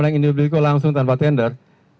dengan indobilco langsung tanpa tender